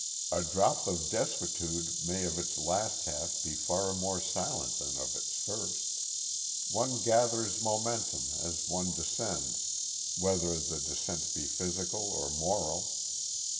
A drop to desuetude may of its last half be far more silent than of its first. One gathers momentum, as one descends, whether the descent be physical, or moral.